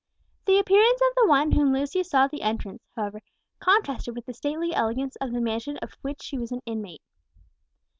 The appearance of the one whom Lucius saw at the entrance, however, contrasted with the stately elegance of the mansion of which she was an inmate.